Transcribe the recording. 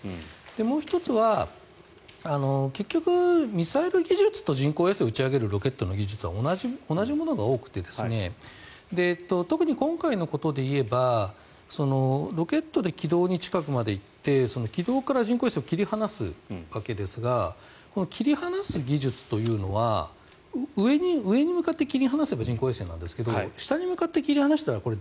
もう１つは結局ミサイル技術と人工衛星を打ち上げるロケットの技術は同じものが多くて特に今回のことで言えばロケットで軌道近くまで行って軌道から人工衛星を切り離すわけですが切り離す技術というのは上に向かって切り離せば人工衛星なんですが下に向かって切り離したらこれ、